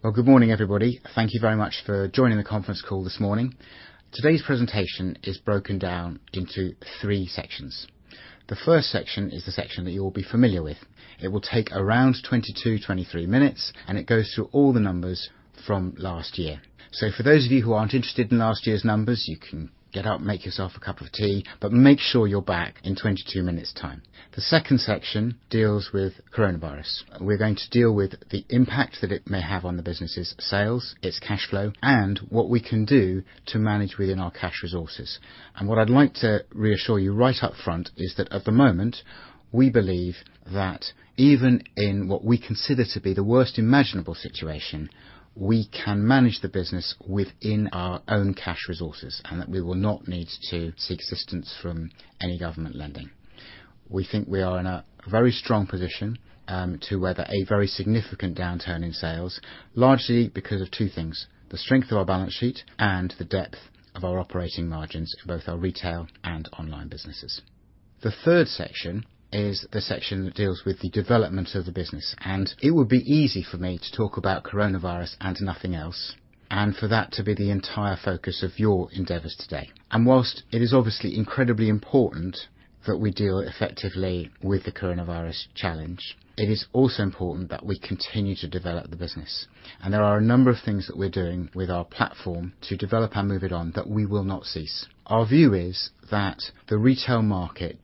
Well, good morning, everybody. Thank you very much for joining the conference call this morning. Today's presentation is broken down into three sections. The first section is the section that you'll be familiar with. It will take around 22, 23 minutes. It goes through all the numbers from last year. For those of you who aren't interested in last year's numbers, you can get up, make yourself a cup of tea. Make sure you're back in 22 minutes' time. The second section deals with coronavirus. We're going to deal with the impact that it may have on the business's sales, its cash flow, and what we can do to manage within our cash resources. What I'd like to reassure you right up front is that at the moment, we believe that even in what we consider to be the worst imaginable situation, we can manage the business within our own cash resources, and that we will not need to seek assistance from any government lending. We think we are in a very strong position to weather a very significant downturn in sales, largely because of two things: the strength of our balance sheet and the depth of our operating margins for both our retail and online businesses. The third section is the section that deals with the development of the business. It would be easy for me to talk about coronavirus and nothing else, and for that to be the entire focus of your endeavors today. While it is obviously incredibly important that we deal effectively with the coronavirus challenge, it is also important that we continue to develop the business. There are a number of things that we're doing with our platform to develop and move it on that we will not cease. Our view is that the retail market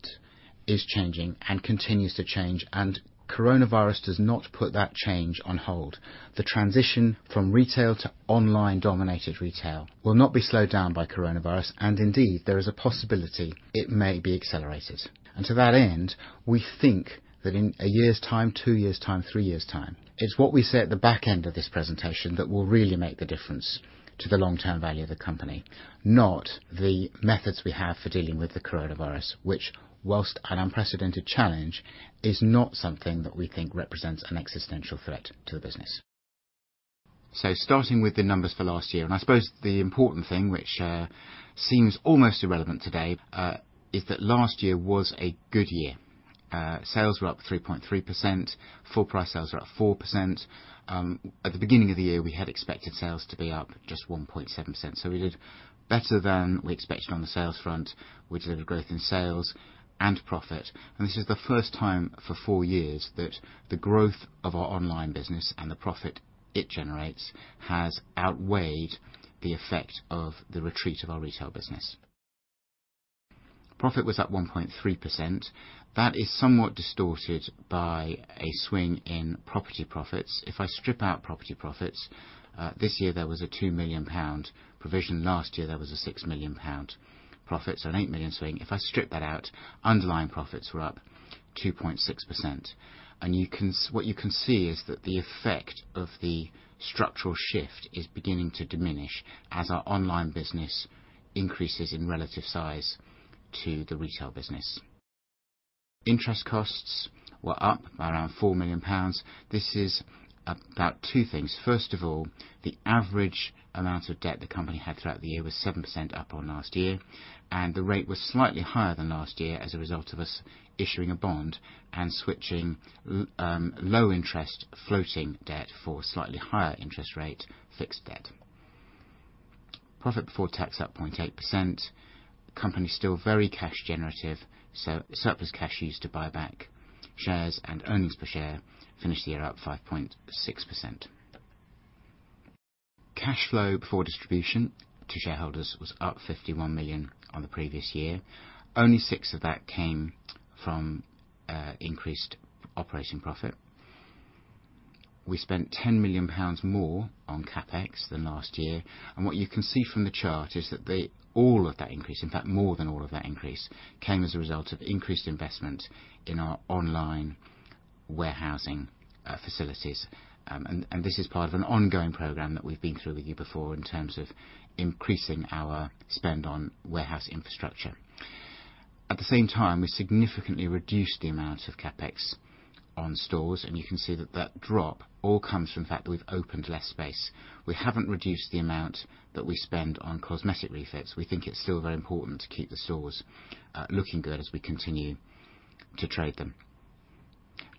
is changing and continues to change, and coronavirus does not put that change on hold. The transition from retail to online-dominated retail will not be slowed down by coronavirus, and indeed, there is a possibility it may be accelerated. To that end, we think that in a year's time, two years' time, three years' time, it's what we say at the back end of this presentation that will really make the difference to the long-term value of the company, not the methods we have for dealing with the coronavirus, which whilst an unprecedented challenge, is not something that we think represents an existential threat to the business. Starting with the numbers for last year, and I suppose the important thing which seems almost irrelevant today, is that last year was a good year. Sales were up 3.3%, full price sales were up 4%. At the beginning of the year, we had expected sales to be up just 1.7%, so we did better than we expected on the sales front. We delivered growth in sales and profit. This is the first time for four years that the growth of our online business and the profit it generates has outweighed the effect of the retreat of our retail business. Profit was up 1.3%. That is somewhat distorted by a swing in property profits. If I strip out property profits, this year there was a 2 million pound provision. Last year, there was a 6 million pound profit, so a 8 million swing. If I strip that out, underlying profits were up 2.6%. What you can see is that the effect of the structural shift is beginning to diminish as our online business increases in relative size to the retail business. Interest costs were up by around 4 million pounds. This is about two things. First of all, the average amount of debt the company had throughout the year was 7% up on last year, and the rate was slightly higher than last year as a result of us issuing a bond and switching low interest floating debt for slightly higher interest rate fixed debt. Profit Before Tax up 0.8%. The company's still very cash generative, so surplus cash used to buy back shares and Earnings Per Share finished the year up 5.6%. Cash flow before distribution to shareholders was up 51 million on the previous year. Only six of that came from increased operating profit. We spent 10 million pounds more on CapEx than last year. What you can see from the chart is that all of that increase, in fact, more than all of that increase, came as a result of increased investment in our online warehousing facilities. This is part of an ongoing program that we've been through with you before in terms of increasing our spend on warehouse infrastructure. At the same time, we significantly reduced the amount of CapEx on stores, and you can see that that drop all comes from the fact that we've opened less space. We haven't reduced the amount that we spend on cosmetic refits. We think it's still very important to keep the stores looking good as we continue to trade them.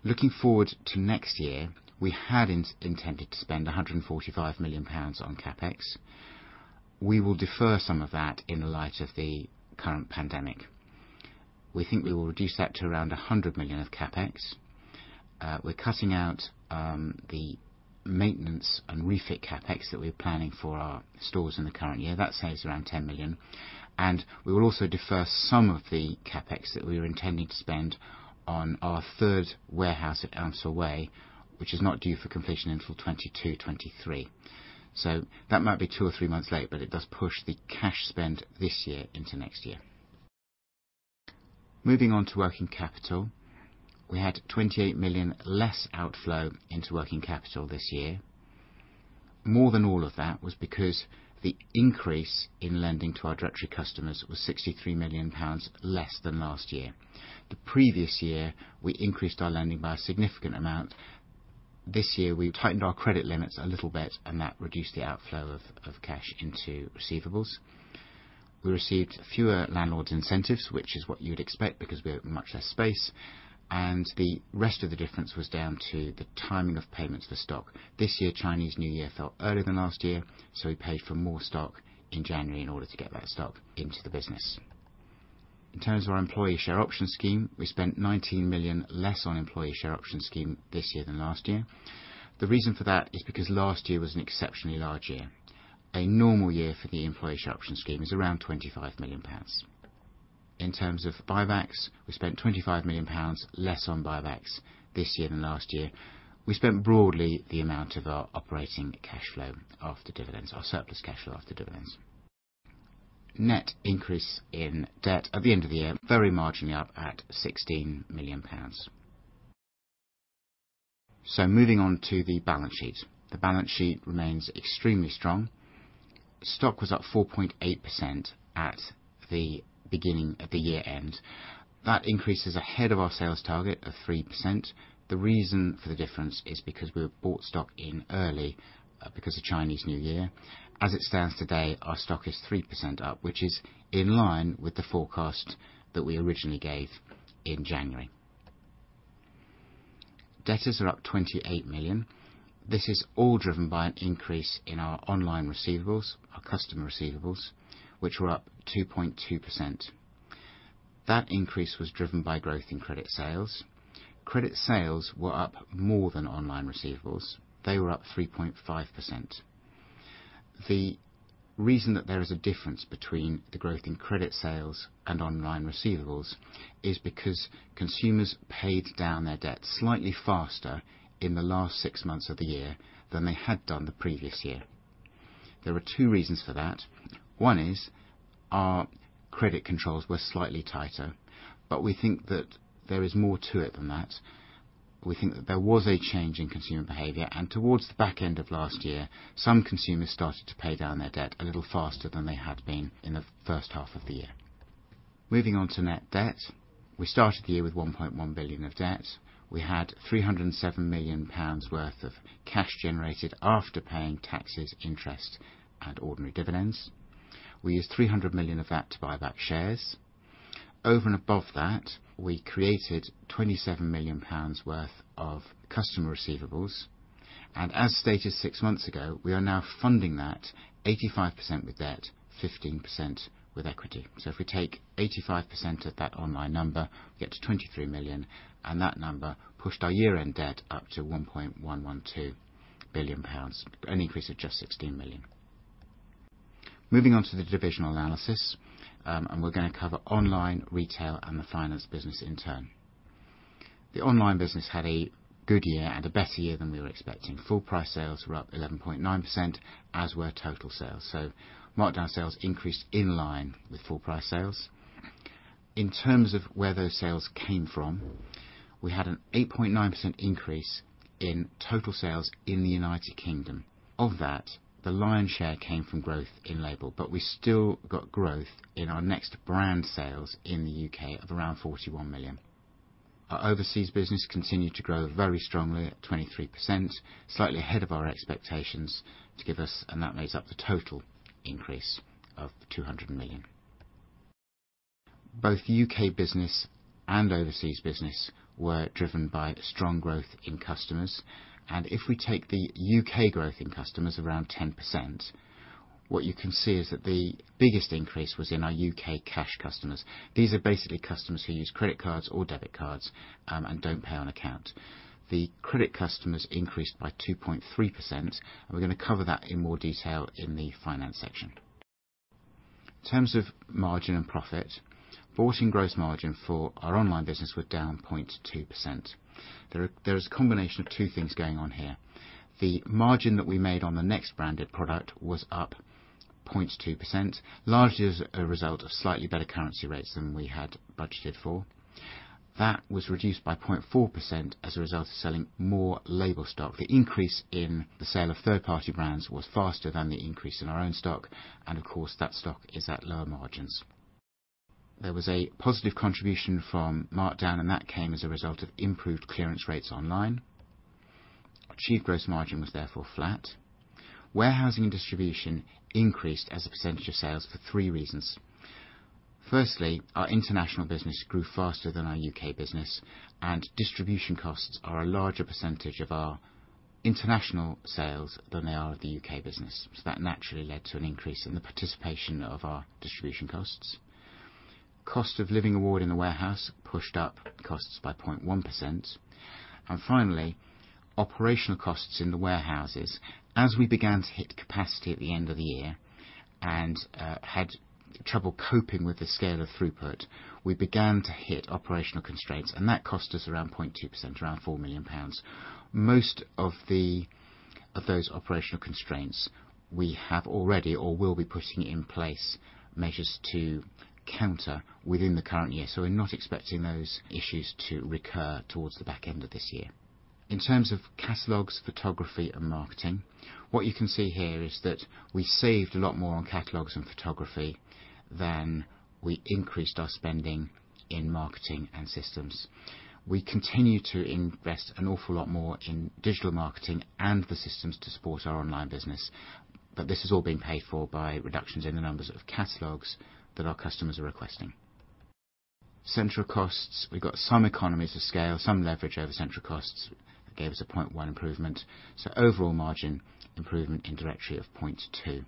Looking forward to next year, we had intended to spend 145 million pounds on CapEx. We will defer some of that in light of the current pandemic. We think we will reduce that to around 100 million of CapEx. We're cutting out the maintenance and refit CapEx that we were planning for our stores in the current year. That saves around 10 million. We will also defer some of the CapEx that we were intending to spend on our third warehouse at Ansdell Way, which is not due for completion until 2022, 2023. That might be two or three months late, but it does push the cash spend this year into next year. Moving on to working capital, we had 28 million less outflow into working capital this year. More than all of that was because the increase in lending to our Next Directory customers was 63 million pounds less than last year. The previous year, we increased our lending by a significant amount. This year, we tightened our credit limits a little bit and that reduced the outflow of cash into receivables. We received fewer landlords incentives, which is what you would expect because we have much less space. The rest of the difference was down to the timing of payments for stock. This year, Chinese New Year fell earlier than last year. We paid for more stock in January in order to get that stock into the business. In terms of our Employee Share Option Scheme, we spent 19 million less on Employee Share Option Scheme this year than last year. The reason for that is because last year was an exceptionally large year. A normal year for the Employee Share Option Scheme is around 25 million pounds. In terms of buybacks, we spent 25 million pounds less on buybacks this year than last year. We spent broadly the amount of our operating cash flow after dividends, our surplus cash flow after dividends. Net increase in debt at the end of the year, very marginally up at 16 million pounds. Moving on to the balance sheet. The balance sheet remains extremely strong. Stock was up 4.8% at the beginning of the year end. That increase is ahead of our sales target of 3%. The reason for the difference is because we bought stock in early because of Chinese New Year. As it stands today, our stock is 3% up, which is in line with the forecast that we originally gave in January. Debtors are up 28 million. This is all driven by an increase in our online receivables, our customer receivables, which were up 2.2%. That increase was driven by growth in credit sales. Credit sales were up more than online receivables. They were up 3.5%. The reason that there is a difference between the growth in credit sales and online receivables is because consumers paid down their debt slightly faster in the last six months of the year than they had done the previous year. There are two reasons for that. One is our credit controls were slightly tighter, but we think that there is more to it than that. We think that there was a change in consumer behavior, and towards the back end of last year, some consumers started to pay down their debt a little faster than they had been in the first half of the year. Moving on to net debt. We started the year with 1.1 billion of debt. We had 307 million pounds worth of cash generated after paying taxes, interest, and ordinary dividends. We used 300 million of that to buy back shares. Over and above that, we created 27 million pounds worth of customer receivables. As stated six months ago, we are now funding that 85% with debt, 15% with equity. If we take 85% of that online number, we get to 23 million, and that number pushed our year-end debt up to 1.112 billion pounds, an increase of just 16 million. Moving on to the divisional analysis. We're going to cover online retail and the finance business in turn. The online business had a good year and a better year than we were expecting. Full price sales were up 11.9%, as were total sales. Markdown sales increased in line with full price sales. In terms of where those sales came from, we had an 8.9% increase in total sales in the U.K. Of that, the lion's share came from growth in Label, but we still got growth in our NEXT brand sales in the U.K. of around 41 million. Our overseas business continued to grow very strongly at 23%, slightly ahead of our expectations to give us, and that makes up the total increase of 200 million. Both U.K. business and overseas business were driven by strong growth in customers. If we take the U.K. growth in customers around 10%, what you can see is that the biggest increase was in our U.K. cash customers. These are basically customers who use credit cards or debit cards and don't pay on account. The credit customers increased by 2.3%, and we're going to cover that in more detail in the finance section. In terms of margin and profit, 14 gross margin for our online business were down 0.2%. There is a combination of two things going on here. The margin that we made on the NEXT brand product was up 0.2%, largely as a result of slightly better currency rates than we had budgeted for. That was reduced by 0.4% as a result of selling more Label stock. The increase in the sale of third-party brands was faster than the increase in our own stock. Of course, that stock is at lower margins. There was a positive contribution from markdown, and that came as a result of improved clearance rates online. Achieved gross margin was therefore flat. Warehousing and distribution increased as a percentage of sales for three reasons. Firstly, our international business grew faster than our U.K. business, and distribution costs are a larger percentage of our international sales than they are of the U.K. business. That naturally led to an increase in the participation of our distribution costs. Cost of living award in the warehouse pushed up costs by 0.1%. Finally, operational costs in the warehouses. As we began to hit capacity at the end of the year and had trouble coping with the scale of throughput, we began to hit operational constraints, and that cost us around 0.2%, around 4 million pounds. Most of those operational constraints we have already or will be putting in place measures to counter within the current year. We're not expecting those issues to recur towards the back end of this year. In terms of catalogs, photography, and marketing, what you can see here is that we saved a lot more on catalogs and photography than we increased our spending in marketing and systems. We continue to invest an awful lot more in digital marketing and the systems to support our online business. This is all being paid for by reductions in the numbers of catalogs that our customers are requesting. Central costs, we got some economies of scale, some leverage over central costs, gave us a 0.1 improvement. Overall margin improvement in Next Directory of 0.2.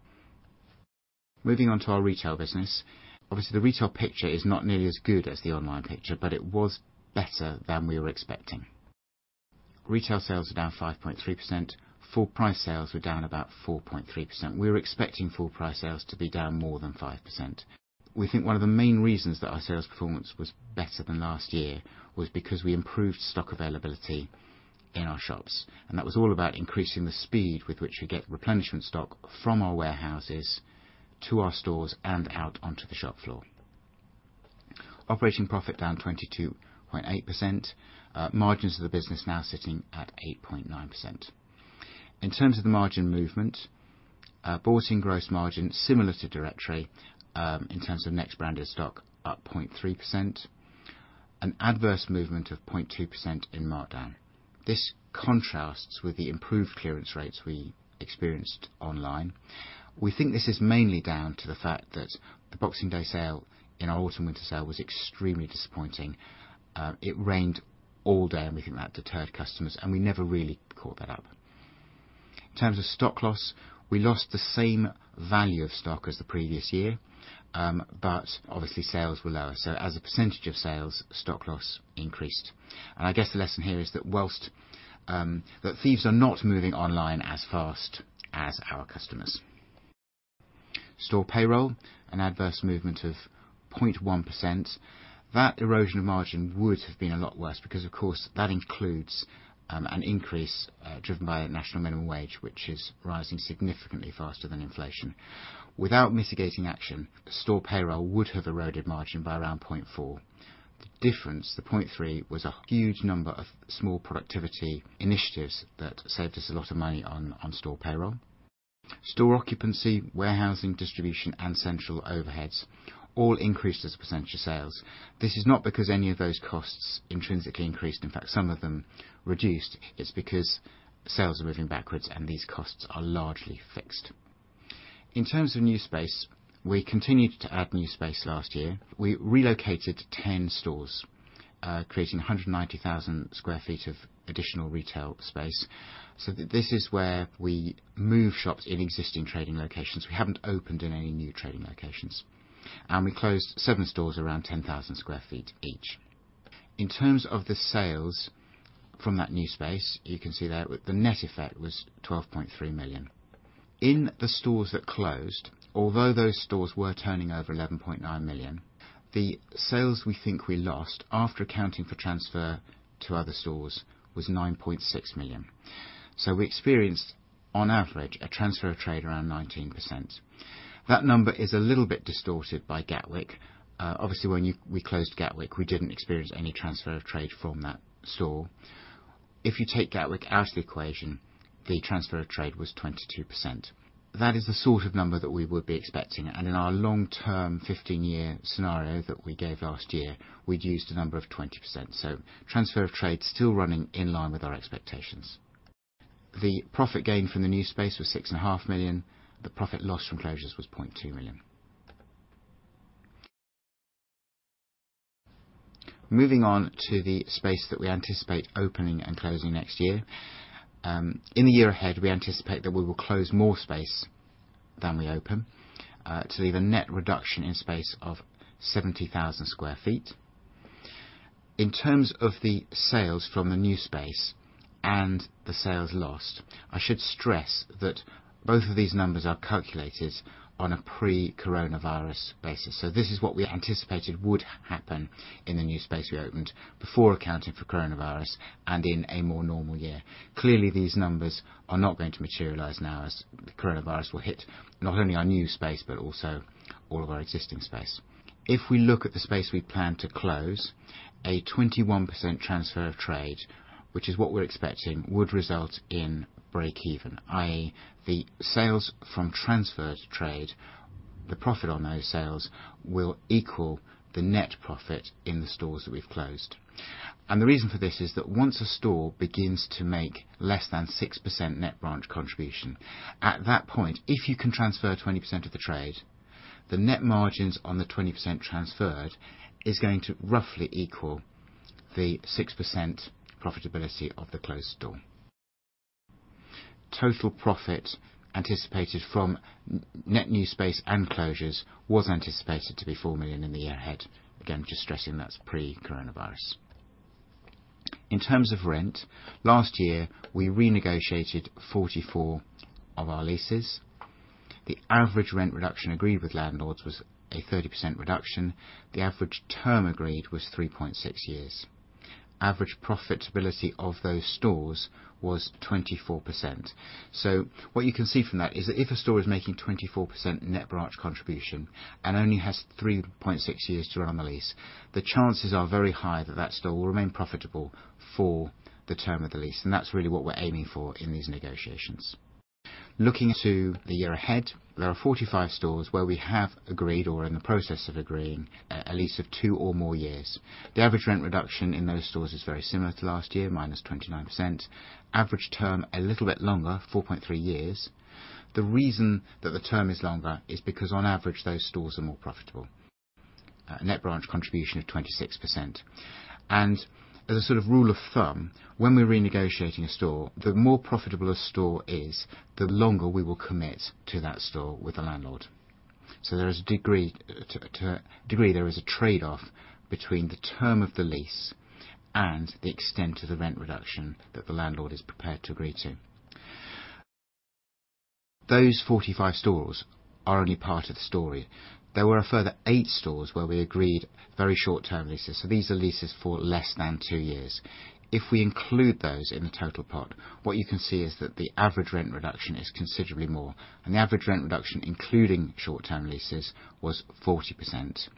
Moving on to our retail business. Obviously, the retail picture is not nearly as good as the online picture, but it was better than we were expecting. Retail sales were down 5.3%, full price sales were down about 4.3%. We were expecting full price sales to be down more than 5%. We think one of the main r easons that our sales performance was better than last year was because we improved stock availability in our shops, and that was all about increasing the speed with which we get replenishment stock from our warehouses to our stores and out onto the shop floor. Operating profit down 22.8%, margins of the business now sitting at 8.9%. In terms of the margin movement, bought-in gross margin similar to Directory, in terms of NEXT branded stock up 0.3%, an adverse movement of 0.2% in markdown. This contrasts with the improved clearance rates we experienced online. We think this is mainly down to the fact that the Boxing Day sale in our autumn-winter sale was extremely disappointing. It rained all day, and we think that deterred customers, and we never really caught that up. In terms of stock loss, we lost the same value of stock as the previous year, but obviously sales were lower, so as a percentage of sales, stock loss increased. I guess the lesson here is that thieves are not moving online as fast as our customers. Store payroll, an adverse movement of 0.1%. That erosion of margin would have been a lot worse because of course that includes an increase driven by a national minimum wage, which is rising significantly faster than inflation. Without mitigating action, store payroll would have eroded margin by around 0.4%. The difference, the 0.3%, was a huge number of small productivity initiatives that saved us a lot of money on store payroll. Store occupancy, warehousing, distribution, and central overheads all increased as a percentage of sales. This is not because any of those costs intrinsically increased. In fact, some of them reduced. It's because sales are moving backwards and these costs are largely fixed. In terms of new space, we continued to add new space last year. We relocated 10 stores, creating 190,000 sq ft of additional retail space. This is where we move shops in existing trading locations. We haven't opened in any new trading locations. We closed seven stores around 10,000 sq ft each. In terms of the sales from that new space, you can see there the net effect was 12.3 million. In the stores that closed, although those stores were turning over 11.9 million, the sales we think we lost after accounting for transfer to other stores was 9.6 million. We experienced, on average, a transfer of trade around 19%. That number is a little bit distorted by Gatwick. Obviously, when we closed Gatwick, we didn't experience any transfer of trade from that store. If you take Gatwick out of the equation, the transfer of trade was 22%. That is the sort of number that we would be expecting, and in our long-term 15-year scenario that we gave last year, we'd used a number of 20%. Transfer of trade still running in line with our expectations. The profit gain from the new space was 6.5 million. The profit lost from closures was 0.2 million. Moving on to the space that we anticipate opening and closing next year. In the year ahead, we anticipate that we will close more space than we open to leave a net reduction in space of 70,000 sq ft. In terms of the sales from the new space and the sales lost, I should stress that both of these numbers are calculated on a pre-coronavirus basis. This is what we anticipated would happen in the new space we opened before accounting for Coronavirus and in a more normal year. Clearly, these numbers are not going to materialize now as the Coronavirus will hit not only our new space, but also all of our existing space. If we look at the space we plan to close, a 21% transfer of trade, which is what we're expecting, would result in breakeven, i.e. the sales from transferred trade, the profit on those sales will equal the net profit in the stores that we've closed. The reason for this is that once a store begins to make less than 6% net branch contribution, at that point, if you can transfer 20% of the trade, the net margins on the 20% transferred is going to roughly equal the 6% profitability of the closed store. Total profit anticipated from net new space and closures was anticipated to be 4 million in the year ahead. Again, just stressing that's pre-coronavirus. In terms of rent, last year we renegotiated 44 of our leases. The average rent reduction agreed with landlords was a 30% reduction. The average term agreed was 3.6 years. Average profitability of those stores was 24%. What you can see from that is that if a store is making 24% net branch contribution and only has 3.6 years to run the lease, the chances are very high that that store will remain profitable for the term of the lease, and that's really what we're aiming for in these negotiations. Looking to the year ahead, there are 45 stores where we have agreed or are in the process of agreeing a lease of two or more years. The average rent reduction in those stores is very similar to last year, -29%. Average term, a little bit longer, 4.3 years. The reason that the term is longer is because on average, those stores are more profitable. Net branch contribution of 26%. As a sort of rule of thumb, when we're renegotiating a store, the more profitable a store is, the longer we will commit to that store with the landlord. To a degree there is a trade-off between the term of the lease and the extent of the rent reduction that the landlord is prepared to agree to. Those 45 stores are only part of the story. There were a further eight stores where we agreed very short-term leases, so these are leases for less than two years. If we include those in the total pot, what you can see is that the average rent reduction is considerably more, and the average rent reduction, including short-term leases, was 40%.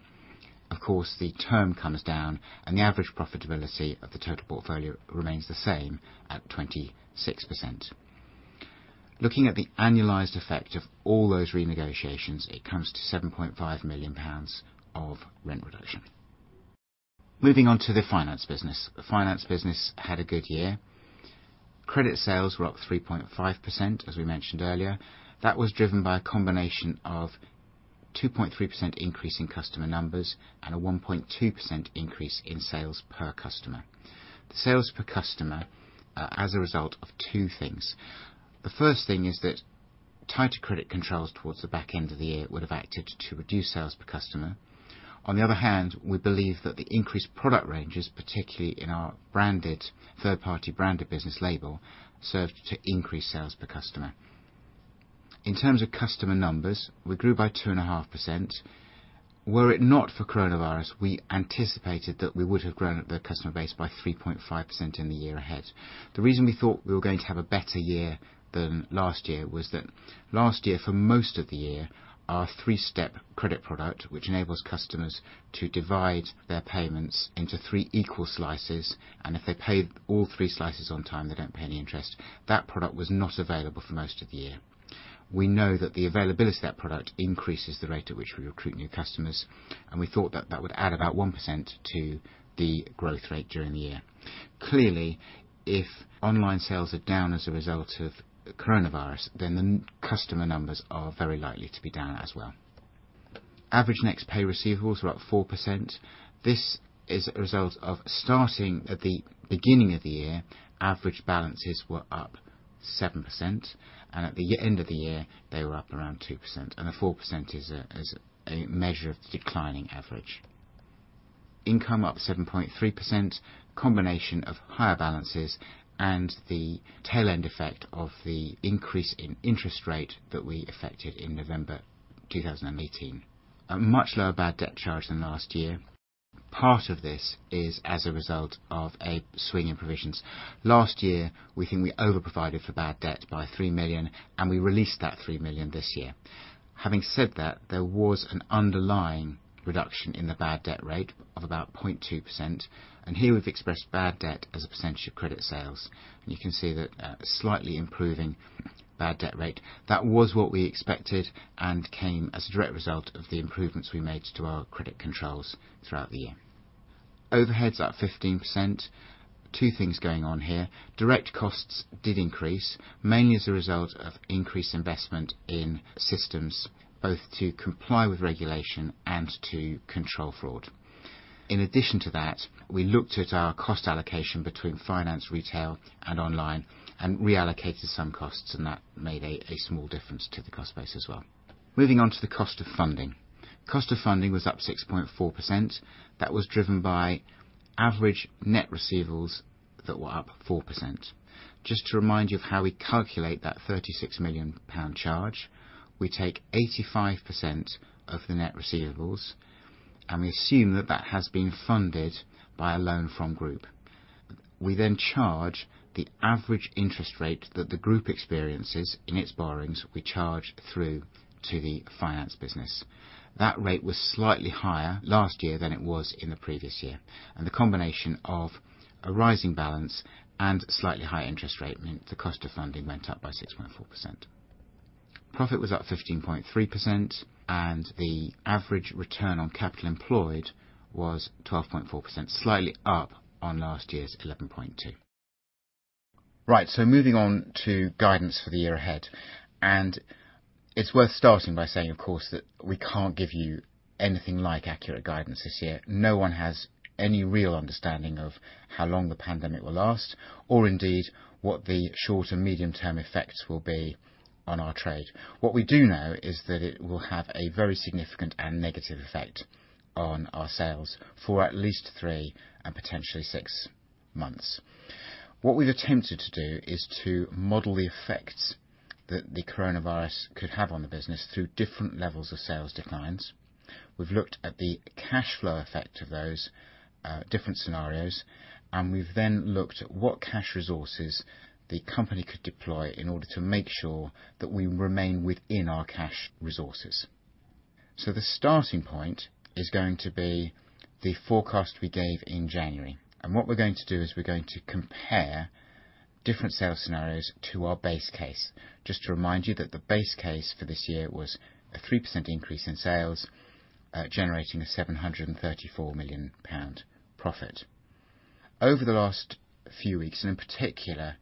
Of course, the term comes down and the average profitability of the total portfolio remains the same at 26%. Looking at the annualized effect of all those renegotiations, it comes to 7.5 million pounds of rent reduction. Moving on to the finance business. The finance business had a good year. Credit sales were up 3.5%, as we mentioned earlier. That was driven by a combination of 2.3% increase in customer numbers and a 1.2% increase in sales per customer. The sales per customer as a result of two things. The first thing is that tighter credit controls towards the back end of the year would have acted to reduce sales per customer. On the other hand, we believe that the increased product ranges, particularly in our third-party branded business Label, served to increase sales per customer. In terms of customer numbers, we grew by 2.5%. Were it not for coronavirus, we anticipated that we would have grown the customer base by 3.5% in the year ahead. The reason we thought we were going to have a better year than last year was that last year, for most of the year, our next three step credit product, which enables customers to divide their payments into three equal slices, and if they pay all three slices on time, they don't pay any interest, that product was not available for most of the year. We know that the availability of that product increases the rate at which we recruit new customers, and we thought that that would add about 1% to the growth rate during the year. Clearly, if online sales are down as a result of coronavirus, then the customer numbers are very likely to be down as well. Average Nextpay receivables were up 4%. This is a result of starting at the beginning of the year, average balances were up 7%, and at the end of the year, they were up around 2%, and the 4% is a measure of the declining average. Income up 7.3%, combination of higher balances and the tail-end effect of the increase in interest rate that we effected in November 2018. A much lower bad debt charge than last year. Part of this is as a result of a swing in provisions. Last year, we think we over-provided for bad debt by 3 million, and we released that 3 million this year. Having said that, there was an underlying reduction in the bad debt rate of about 0.2%, and here we've expressed bad debt as a percentage of credit sales, and you can see that slightly improving bad debt rate. That was what we expected and came as a direct result of the improvements we made to our credit controls throughout the year. Overheads up 15%. Two things going on here. Direct costs did increase, mainly as a result of increased investment in systems, both to comply with regulation and to control fraud. In addition to that, we looked at our cost allocation between finance, retail, and online, and reallocated some costs, and that made a small difference to the cost base as well. Moving on to the cost of funding. Cost of funding was up 6.4%. That was driven by average net receivables that were up 4%. Just to remind you of how we calculate that 36 million pound charge, we take 85% of the net receivables, and we assume that that has been funded by a loan from Group. We charge the average interest rate that the group experiences in its borrowings, we charge through to the finance business. That rate was slightly higher last year than it was in the previous year, and the combination of a rising balance and slightly higher interest rate meant the cost of funding went up by 6.4%. Profit was up 15.3% and the average Return on Capital Employed was 12.4%, slightly up on last year's 11.2%. Moving on to guidance for the year ahead, and it's worth starting by saying, of course, that we can't give you anything like accurate guidance this year. No one has any real understanding of how long the pandemic will last or indeed what the short- and medium-term effects will be on our trade. What we do know is that it will have a very significant and negative effect on our sales for at least three and potentially six months. What we've attempted to do is to model the effects that the coronavirus could have on the business through different levels of sales declines. We've looked at the cash flow effect of those different scenarios, and we've then looked at what cash resources the company could deploy in order to make sure that we remain within our cash resources. The starting point is going to be the forecast we gave in January. What we're going to do is we're going to compare different sales scenarios to our base case. Just to remind you that the base case for this year was a 3% increase in sales, generating a 734 million pound profit. Over the last few weeks, in particular,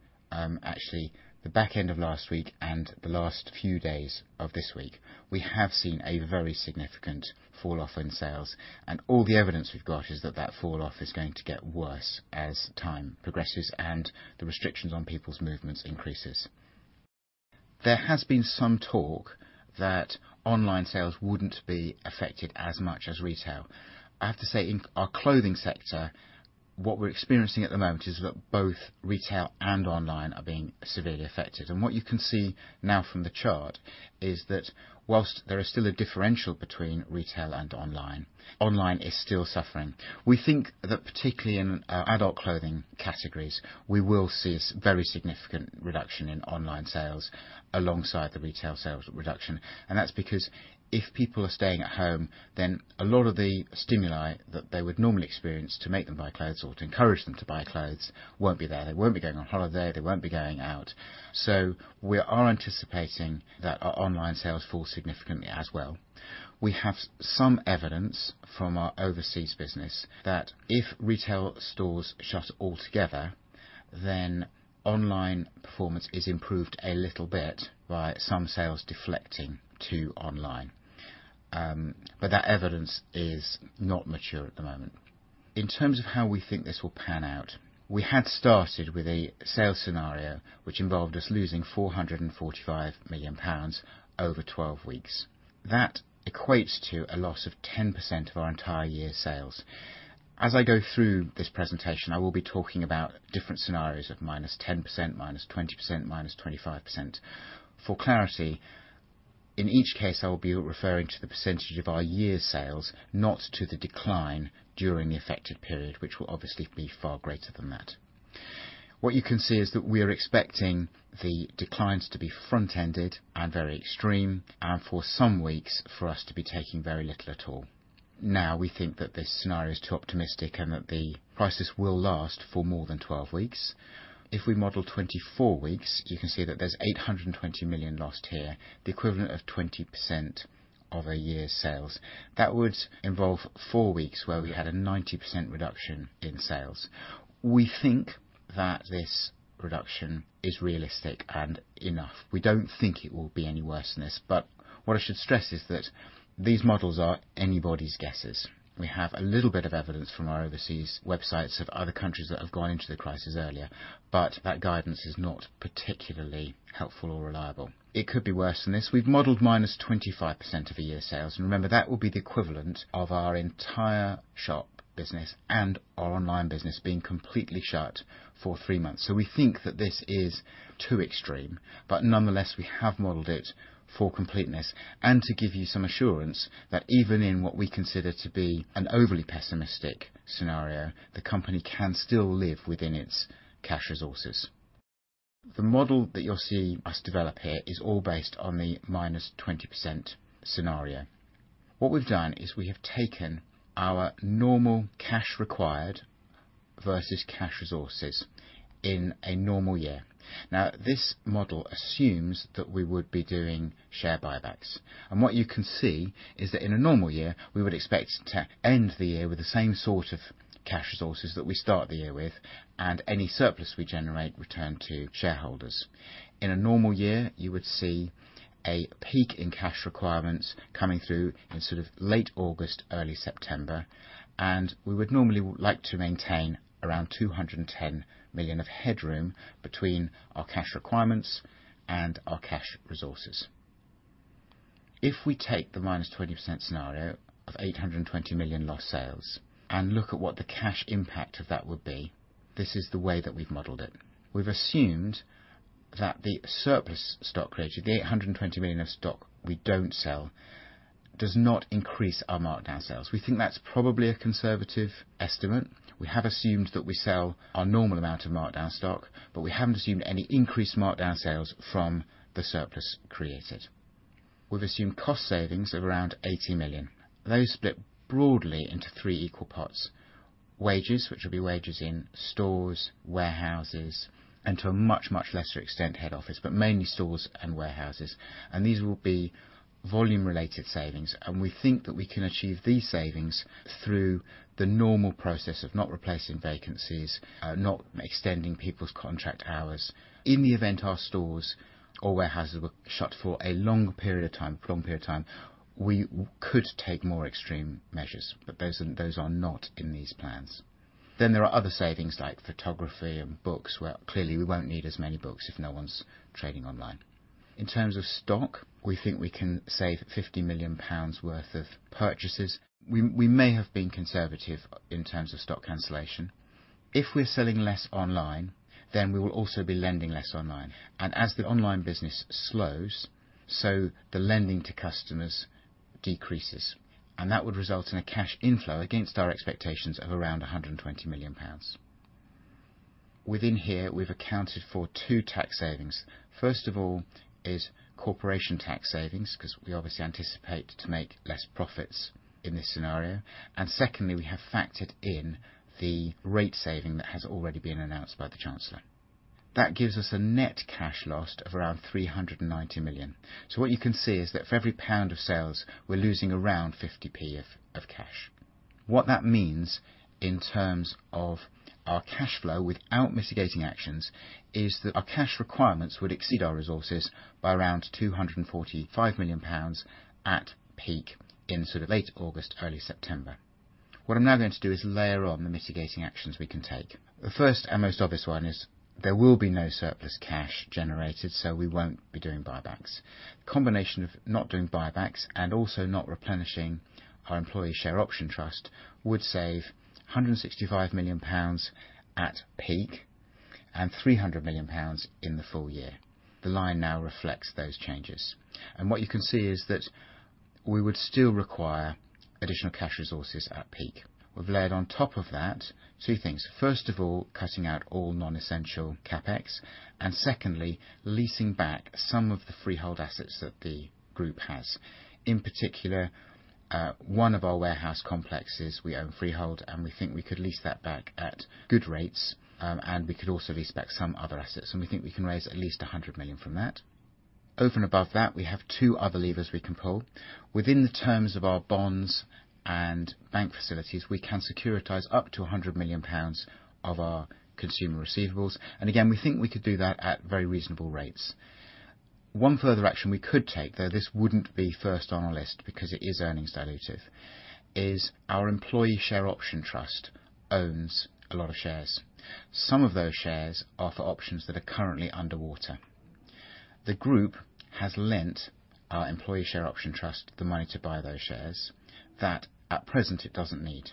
actually, the back end of last week and the last few days of this week, we have seen a very significant falloff in sales, and all the evidence we've got is that that falloff is going to get worse as time progresses and the restrictions on people's movements increases. There has been some talk that online sales wouldn't be affected as much as retail. I have to say, in our clothing sector, what we're experiencing at the moment is that both retail and online are being severely affected. What you can see now from the chart is that whilst there is still a differential between retail and online is still suffering. We think that particularly in adult clothing categories, we will see a very significant reduction in online sales alongside the retail sales reduction. That's because if people are staying at home, then a lot of the stimuli that they would normally experience to make them buy clothes or to encourage them to buy clothes won't be there. They won't be going on holiday, they won't be going out. We are anticipating that our online sales fall significantly as well. We have some evidence from our overseas business that if retail stores shut altogether, then online performance is improved a little bit by some sales deflecting to online. That evidence is not mature at the moment. In terms of how we think this will pan out, we had started with a sales scenario which involved us losing 445 million pounds over 12 weeks. That equates to a loss of 10% of our entire year sales. As I go through this presentation, I will be talking about different scenarios of -10%, -20%, -25%. For clarity, in each case, I will be referring to the percentage of our year sales, not to the decline during the affected period, which will obviously be far greater than that. What you can see is that we are expecting the declines to be front-ended and very extreme, and for some weeks for us to be taking very little at all. We think that this scenario is too optimistic and that the crisis will last for more than 12 weeks. If we model 24 weeks, you can see that there's 820 million lost here, the equivalent of 20% of a year's sales. That would involve four weeks where we had a 90% reduction in sales. We think that this reduction is realistic and enough. We don't think it will be any worse than this. What I should stress is that these models are anybody's guesses. We have a little bit of evidence from our overseas websites of other countries that have gone into the crisis earlier, but that guidance is not particularly helpful or reliable. It could be worse than this. We've modeled -25% of a year's sales, and remember, that will be the equivalent of our entire shop business and our online business being completely shut for three months. We think that this is too extreme, but nonetheless, we have modeled it for completeness and to give you some assurance that even in what we consider to be an overly pessimistic scenario, the company can still live within its cash resources. The model that you'll see us develop here is all based on the -20% scenario. What we've done is we have taken our normal cash required versus cash resources in a normal year. This model assumes that we would be doing share buybacks. What you can see is that in a normal year, we would expect to end the year with the same sort of cash resources that we start the year with, and any surplus we generate return to shareholders. In a normal year, you would see a peak in cash requirements coming through in sort of late August, early September, and we would normally like to maintain around 210 million of headroom between our cash requirements and our cash resources. If we take the -20% scenario of 820 million lost sales and look at what the cash impact of that would be, this is the way that we've modeled it. We've assumed that the surplus stock created, the 820 million of stock we don't sell, does not increase our markdown sales. We think that's probably a conservative estimate. We have assumed that we sell our normal amount of markdown stock, but we haven't assumed any increased markdown sales from the surplus created. We've assumed cost savings of around 80 million. Those split broadly into three equal parts, wages, which will be wages in stores, warehouses, and to a much, much lesser extent, head office, but mainly stores and warehouses. These will be volume related savings. We think that we can achieve these savings through the normal process of not replacing vacancies, not extending people's contract hours. In the event our stores or warehouses were shut for a long period of time, prolonged period of time, we could take more extreme measures, but those are not in these plans. There are other savings like photography and books, where clearly we won't need as many books if no one's trading online. In terms of stock, we think we can save 50 million pounds worth of purchases. We may have been conservative in terms of stock cancellation. If we're selling less online, we will also be lending less online. As the online business slows, the lending to customers decreases, that would result in a cash inflow against our expectations of around 120 million pounds. Within here, we've accounted for two tax savings. First of all is corporation tax savings, because we obviously anticipate to make less profits in this scenario. Secondly, we have factored in the rate saving that has already been announced by the Chancellor. That gives us a net cash lost of around 390 million. What you can see is that for every pound of sales, we're losing around 0.50 of cash. What that means in terms of our cash flow without mitigating actions is that our cash requirements would exceed our resources by around 245 million pounds at peak in late August, early September. What I'm now going to do is layer on the mitigating actions we can take. The first and most obvious one is there will be no surplus cash generated, so we won't be doing buybacks. Combination of not doing buybacks and also not replenishing our Employee Share Option Trust would save 165 million pounds at peak and 300 million pounds in the full year. The line now reflects those changes. What you can see is that we would still require additional cash resources at peak. We've layered on top of that two things. First of all, cutting out all non-essential CapEx, and secondly, leasing back some of the freehold assets that the group has. In particular, one of our warehouse complexes we own freehold, and we think we could lease that back at good rates, and we could also lease back some other assets, and we think we can raise at least 100 million from that. Over and above that, we have two other levers we can pull. Within the terms of our bonds and bank facilities, we can securitize up to 100 million pounds of our consumer receivables. Again, we think we could do that at very reasonable rates. One further action we could take, though this wouldn't be first on our list because it is earnings dilutive, is our Employee Share Option Trust owns a lot of shares. Some of those shares are for options that are currently underwater. The group has lent our Employee Share Option Trust the money to buy those shares that at present it doesn't need.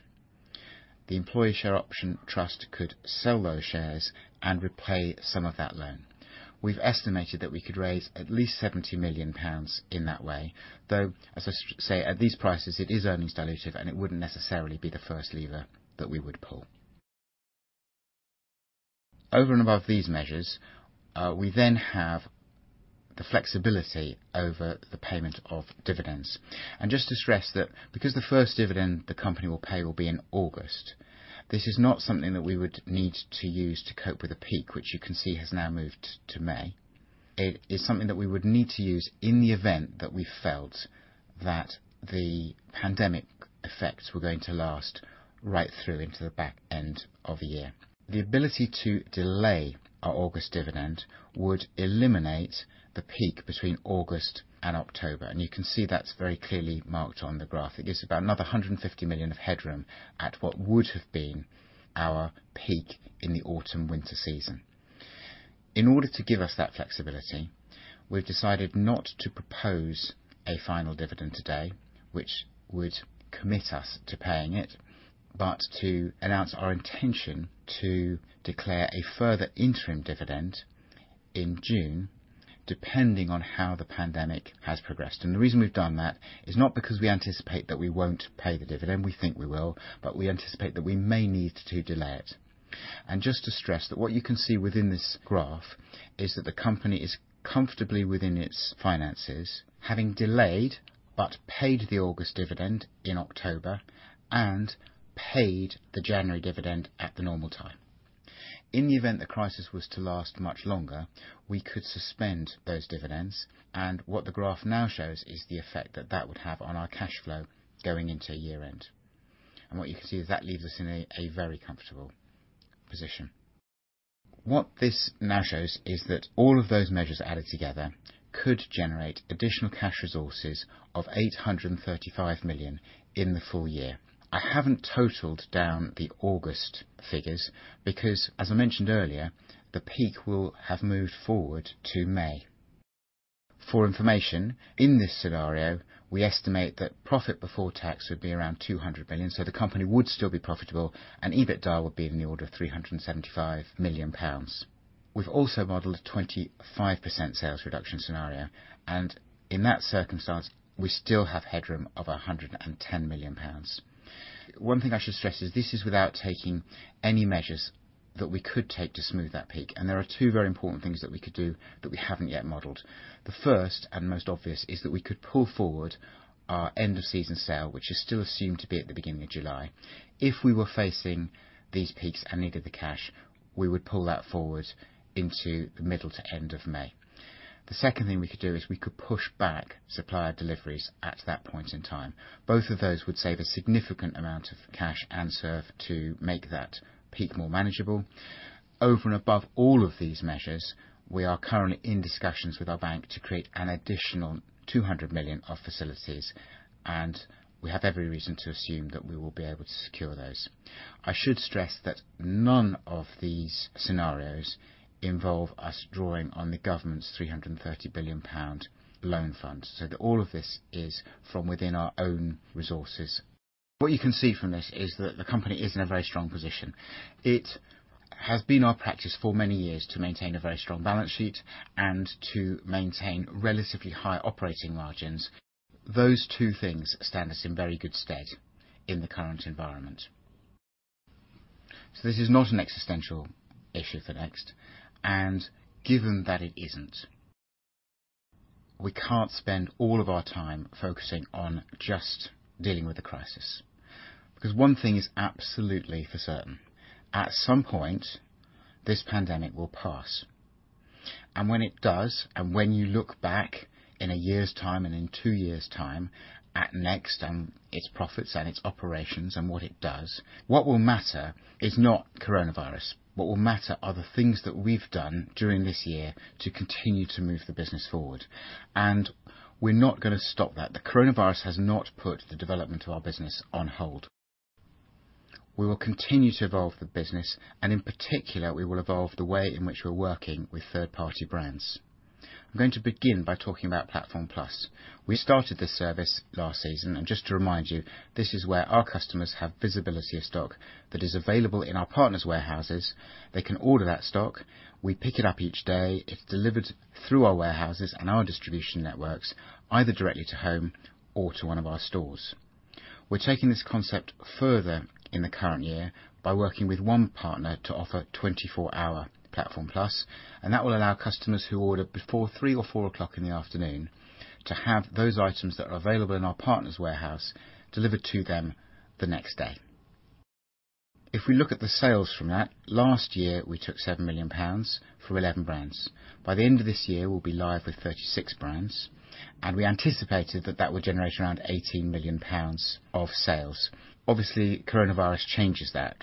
The Employee Share Option Trust could sell those shares and repay some of that loan. We've estimated that we could raise at least 70 million pounds in that way. As I say, at these prices, it is earnings dilutive and it wouldn't necessarily be the first lever that we would pull. Over and above these measures, we have the flexibility over the payment of dividends. Just to stress that because the first dividend the company will pay will be in August, this is not something that we would need to use to cope with a peak, which you can see has now moved to May. It is something that we would need to use in the event that we felt that the pandemic effects were going to last right through into the back end of a year. The ability to delay our August dividend would eliminate the peak between August and October, and you can see that is very clearly marked on the graph. It gives about another 150 million of headroom at what would have been our peak in the autumn-winter season. In order to give us that flexibility, we've decided not to propose a final dividend today, which would commit us to paying it, but to announce our intention to declare a further interim dividend in June, depending on how the pandemic has progressed. The reason we've done that is not because we anticipate that we won't pay the dividend. We think we will, but we anticipate that we may need to delay it. Just to stress that what you can see within this graph is that the company is comfortably within its finances, having delayed but paid the August dividend in October and paid the January dividend at the normal time. In the event the crisis was to last much longer, we could suspend those dividends, and what the graph now shows is the effect that that would have on our cash flow going into year-end. What you can see is that leaves us in a very comfortable position. What this now shows is that all of those measures added together could generate additional cash resources of 835 million in the full year. I haven't totaled down the August figures because, as I mentioned earlier, the peak will have moved forward to May. For information, in this scenario, we estimate that Profit Before Tax would be around 200 million, so the company would still be profitable and EBITDA would be in the order of 375 million pounds. We've also modeled a 25% sales reduction scenario, and in that circumstance, we still have headroom of 110 million pounds. One thing I should stress is this is without taking any measures that we could take to smooth that peak, and there are two very important things that we could do that we haven't yet modeled. The first and most obvious is that we could pull forward our end-of-season sale, which is still assumed to be at the beginning of July. If we were facing these peaks and needed the cash, we would pull that forward into the middle to end of May. The second thing we could do is we could push back supplier deliveries at that point in time. Both of those would save a significant amount of cash and serve to make that peak more manageable. Over and above all of these measures, we are currently in discussions with our bank to create an additional 200 million of facilities, and we have every reason to assume that we will be able to secure those. I should stress that none of these scenarios involve us drawing on the government's 330 billion pound loan fund. All of this is from within our own resources. What you can see from this is that the company is in a very strong position. It has been our practice for many years to maintain a very strong balance sheet and to maintain relatively high operating margins. Those two things stand us in very good stead in the current environment. This is not an existential issue for NEXT, and given that it isn't, we can't spend all of our time focusing on just dealing with the crisis. One thing is absolutely for certain, at some point, this pandemic will pass. When it does, and when you look back in a year's time and in two years' time at NEXT and its profits and its operations and what it does, what will matter is not coronavirus. What will matter are the things that we've done during this year to continue to move the business forward. We're not going to stop that. The coronavirus has not put the development of our business on hold. We will continue to evolve the business, and in particular, we will evolve the way in which we're working with third-party brands. I'm going to begin by talking about Platform Plus. We started this service last season, and just to remind you, this is where our customers have visibility of stock that is available in our partners' warehouses. They can order that stock. We pick it up each day. It's delivered through our warehouses and our distribution networks, either directly to home or to one of our stores. We're taking this concept further in the current year by working with one partner to offer 24-hour Platform Plus, and that will allow customers who order before 3:00 P.M. or 4:00 P.M. in the afternoon to have those items that are available in our partners' warehouse delivered to them the next day. If we look at the sales from that, last year, we took 7 million pounds for 11 brands. By the end of this year, we'll be live with 36 brands, and we anticipated that that would generate around 18 million pounds of sales. Obviously, coronavirus changes that,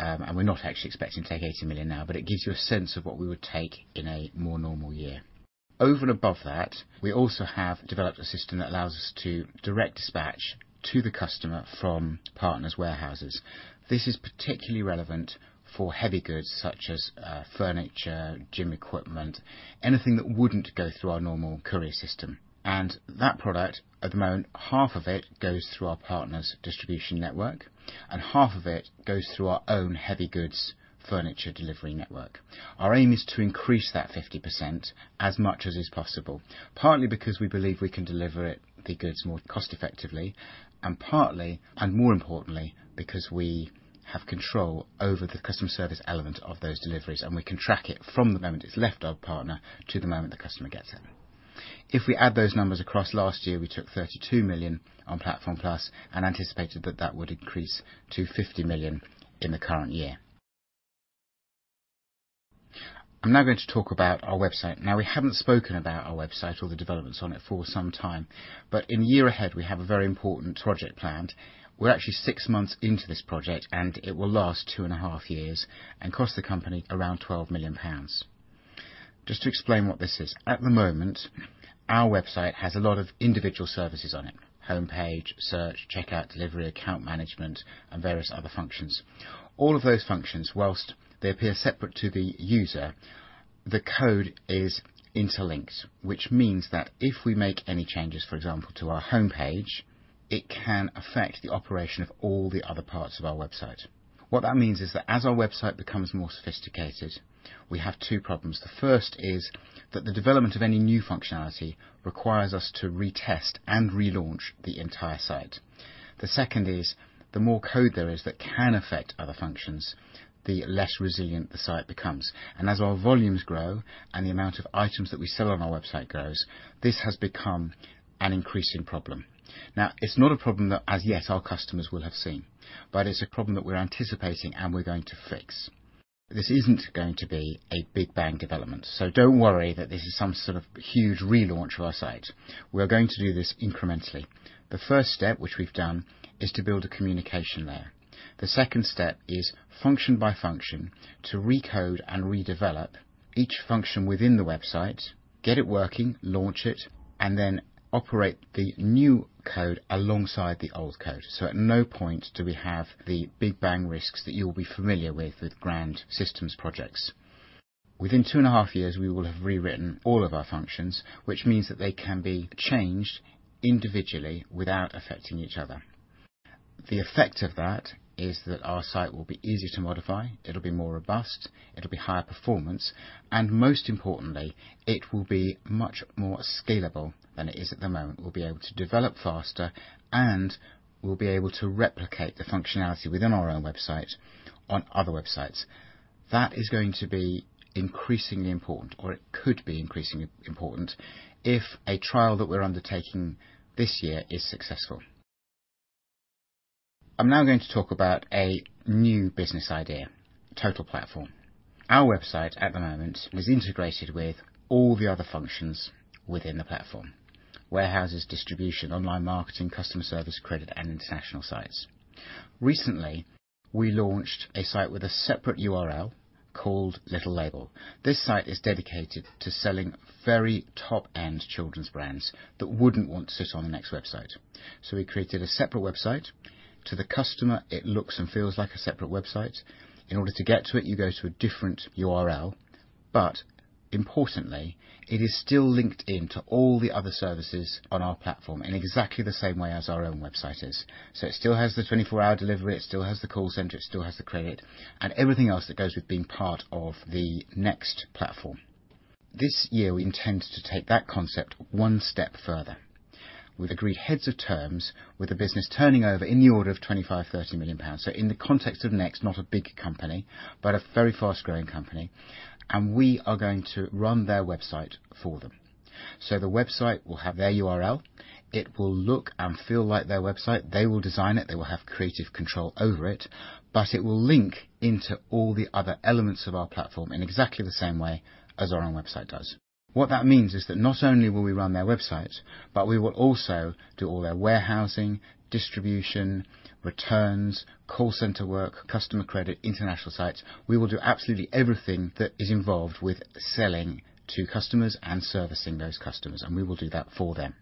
and we're not actually expecting to take 18 million now, but it gives you a sense of what we would take in a more normal year. Over and above that, we also have developed a system that allows us to direct dispatch to the customer from partners' warehouses. This is particularly relevant for heavy goods such as furniture, gym equipment, anything that wouldn't go through our normal courier system. That product, at the moment, half of it goes through our partners' distribution network, and half of it goes through our own heavy goods furniture delivery network. Our aim is to increase that 50% as much as is possible, partly because we believe we can deliver the goods more cost-effectively, and partly, and more importantly, because we have control over the customer service element of those deliveries, and we can track it from the moment it's left our partner to the moment the customer gets it. If we add those numbers across last year, we took 32 million on Platform Plus and anticipated that that would increase to 50 million in the current year. I'm now going to talk about our website. Now, we haven't spoken about our website or the developments on it for some time, but in the year ahead, we have a very important project planned. We're actually six months into this project, and it will last two and a half years and cost the company around 12 million pounds. Just to explain what this is. At the moment, our website has a lot of individual services on it, homepage, search, checkout, delivery, account management, and various other functions. All of those functions, whilst they appear separate to the user, the code is interlinked, which means that if we make any changes, for example, to our homepage, it can affect the operation of all the other parts of our website. What that means is that as our website becomes more sophisticated, we have two problems. The first is that the development of any new functionality requires us to retest and relaunch the entire site. The second is the more code there is that can affect other functions, the less resilient the site becomes. As our volumes grow and the amount of items that we sell on our website grows, this has become an increasing problem. Now, it's not a problem that as yet our customers will have seen, but it's a problem that we're anticipating and we're going to fix. This isn't going to be a big bang development. Don't worry that this is some sort of huge relaunch of our site. We're going to do this incrementally. The first step, which we've done, is to build a communication layer. The second step is function by function to recode and redevelop each function within the website, get it working, launch it, and then operate the new code alongside the old code. At no point do we have the big bang risks that you'll be familiar with grand systems projects. Within two and a half years, we will have rewritten all of our functions, which means that they can be changed individually without affecting each other. The effect of that is that our site will be easier to modify, it'll be more robust, it'll be higher performance, and most importantly, it will be much more scalable than it is at the moment. We'll be able to develop faster, and we'll be able to replicate the functionality within our own website on other websites. That is going to be increasingly important, or it could be increasingly important if a trial that we're undertaking this year is successful. I'm now going to talk about a new business idea, Total Platform. Our website at the moment is integrated with all the other functions within the platform, warehouses, distribution, online marketing, customer service, credit, and international sites. Recently, we launched a site with a separate URL called Little Label. This site is dedicated to selling very top-end children's brands that wouldn't want to sit on the NEXT website. We created a separate website. To the customer, it looks and feels like a separate website. In order to get to it, you go to a different URL, but importantly, it is still linked in to all the other services on our platform in exactly the same way as our own website is. It still has the 24-hour delivery, it still has the call center, it still has the credit and everything else that goes with being part of the NEXT Platform. This year, we intend to take that concept one step further. We've agreed heads of terms with a business turning over in the order of 25 million-30 million pounds. In the context of NEXT, not a big company, but a very fast-growing company. We are going to run their website for them. The website will have their URL. It will look and feel like their website. They will design it. They will have creative control over it, but it will link into all the other elements of our platform in exactly the same way as our own website does. What that means is that not only will we run their website, but we will also do all their warehousing, distribution, returns, call center work, customer credit, international sites. We will do absolutely everything that is involved with selling to customers and servicing those customers, and we will do that for them.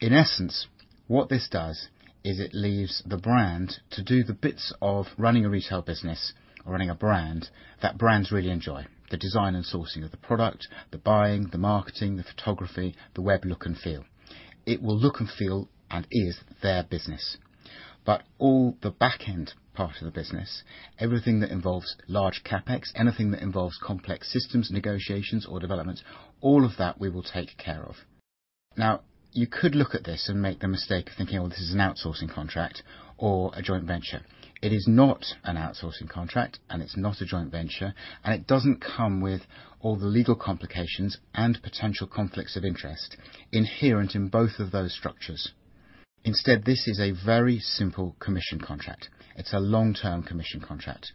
In essence, what this does is it leaves the brand to do the bits of running a retail business or running a brand that brands really enjoy. The design and sourcing of the product, the buying, the marketing, the photography, the web look and feel. It will look and feel and is their business. All the back end part of the business, everything that involves large CapEx, anything that involves complex systems, negotiations, or developments, all of that we will take care of. Now, you could look at this and make the mistake of thinking, well, this is an outsourcing contract or a joint venture. It is not an outsourcing contract, and it's not a joint venture, and it doesn't come with all the legal complications and potential conflicts of interest inherent in both of those structures. Instead, this is a very simple commission contract. It's a long-term commission contract.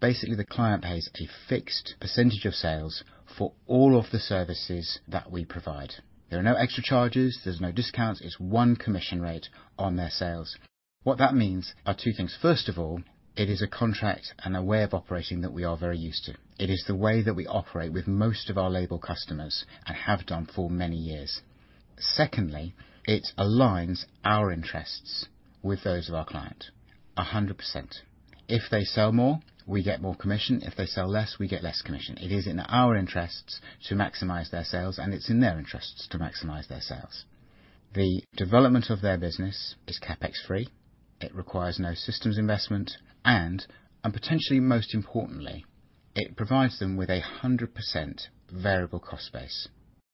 Basically, the client pays a fixed percentage of sales for all of the services that we provide. There are no extra charges, there's no discounts. It's one commission rate on their sales. What that means are two things. First of all, it is a contract and a way of operating that we are very used to. It is the way that we operate with most of our label customers and have done for many years. Secondly, it aligns our interests with those of our client 100%. If they sell more, we get more commission. If they sell less, we get less commission. It is in our interests to maximize their sales, and it's in their interests to maximize their sales. The development of their business is CapEx free. It requires no systems investment, and potentially most importantly, it provides them with 100% variable cost base.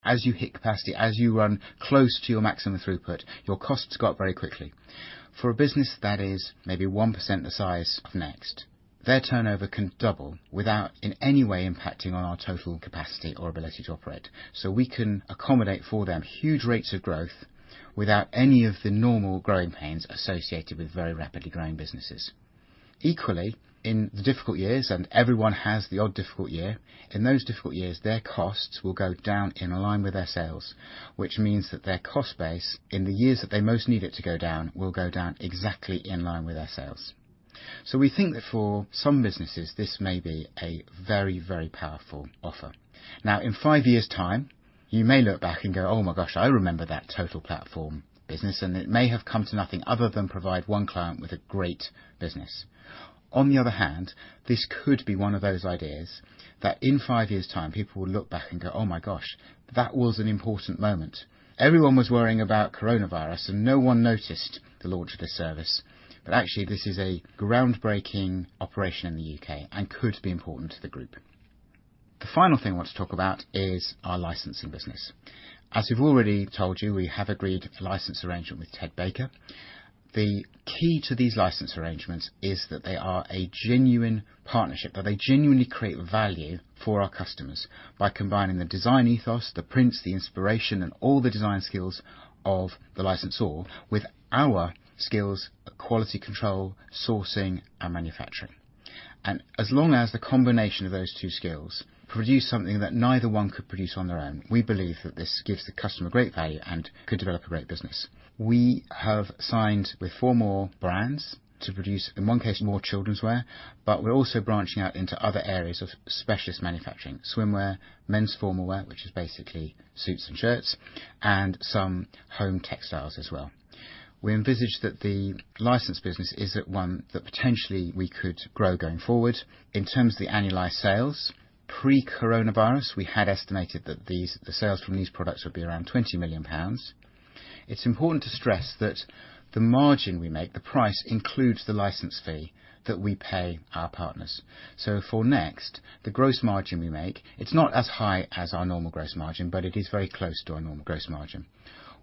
As you hit capacity, as you run close to your maximum throughput, your costs go up very quickly. For a business that is maybe 1% the size of Next, their turnover can double without in any way impacting on our total capacity or ability to operate. we can accommodate for them huge rates of growth without any of the normal growing pains associated with very rapidly growing businesses. Equally, in the difficult years, and everyone has the odd difficult year, in those difficult years, their costs will go down in line with their sales, which means that their cost base in the years that they most need it to go down will go down exactly in line with their sales. we think that for some businesses, this may be a very, very powerful offer. Now, in five years' time, you may look back and go, oh my gosh, I remember that Total Platform business, and it may have come to nothing other than provide one client with a great business. On the other hand, this could be one of those ideas that in five years' time, people will look back and go, oh my gosh, that was an important moment. Everyone was worrying about coronavirus, and no one noticed the launch of this service. Actually, this is a groundbreaking operation in the U.K. and could be important to the group. The final thing I want to talk about is our licensing business. As we've already told you, we have agreed a license arrangement with Ted Baker. The key to these license arrangements is that they are a gen uine partnership, that they genuinely create value for our customers by combining the design ethos, the prints, the inspiration, and all the design skills of the licensor with our skills, quality control, sourcing, and manufacturing. As long as the combination of those two skills produce something that neither one could produce on their own, we believe that this gives the customer great value and could develop a great business. We have signed with four more brands to produce, in one case, more children's wear, but we're also branching out into other areas of specialist manufacturing, swimwear, men's formal wear, which is basically suits and shirts, and some home textiles as well. We envisage that the license business is one that potentially we could grow going forward. In terms of the annualized sales, pre-coronavirus, we had estimated that the sales from these products would be around 20 million pounds. It's important to stress that the margin we make, the price includes the license fee that we pay our partners. For NEXT, the gross margin we make, it's not as high as our normal gross margin, but it is very close to our normal gross margin.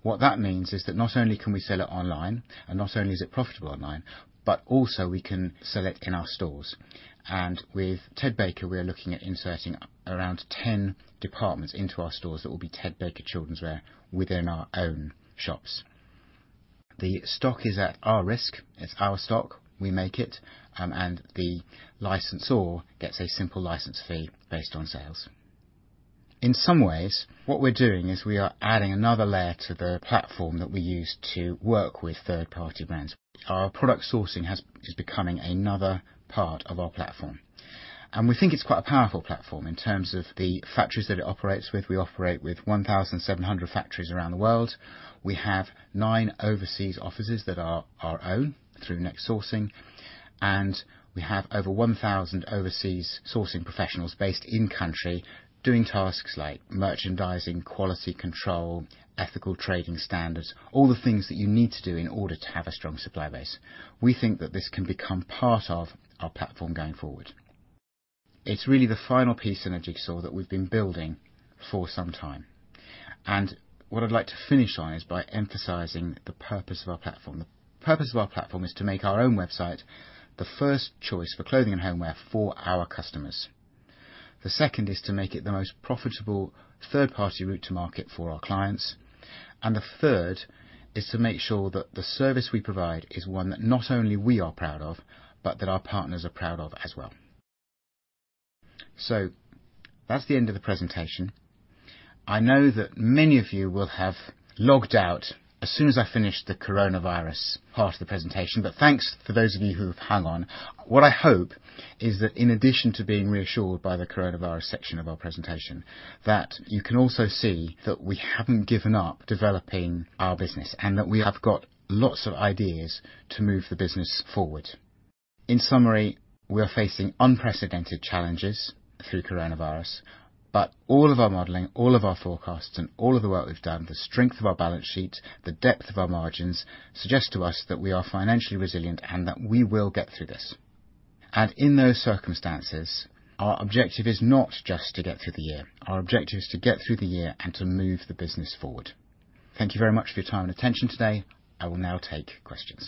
What that means is that not only can we sell it online, and not only is it profitable online, but also we can sell it in our stores. With Ted Baker, we are looking at inserting around 10 departments into our stores that will be Ted Baker children's wear within our own shops. The stock is at our risk. It's our stock. We make it, and the licensor gets a simple license fee based on sales. In some ways, what we're doing is we are adding another layer to the platform that we use to work with third-party brands. Our product sourcing is becoming another part of our platform, and we think it's quite a powerful platform in terms of the factories that it operates with. We operate with 1,700 factories around the world. We have nine overseas offices that are our own through NEXT Sourcing, and we have over 1,000 overseas sourcing professionals based in country doing tasks like merchandising, quality control, ethical trading standards, all the things that you need to do in order to have a strong supply base. We think that this can become part of our platform going forward. It's really the final piece in a jigsaw that we've been building for some time. What I'd like to finish on is by emphasizing the purpose of our platform. The purpose of our platform is to make our own website the first choice for clothing and homeware for our customers. The second is to make it the most profitable third-party route to market for our clients. The third is to make sure that the service we provide is one that not only we are proud of but that our partners are proud of as well. That's the end of the presentation. I know that many of you will have logged out as soon as I finished the coronavirus part of the presentation, but thanks for those of you who have hung on. What I hope is that in addition to being reassured by the coronavirus section of our presentation, that you can also see that we haven't given up developing our business and that we have got lots of ideas to move the business forward. In summary, we are facing unprecedented challenges through coronavirus, but all of our modeling, all of our forecasts, and all of the work we've done, the strength of our balance sheet, the depth of our margins suggest to us that we are financially resilient and that we will get through this. In those circumstances, our objective is not just to get through the year. Our objective is to get through the year and to move the business forward. Thank you very much for your time and attention today. I will now take questions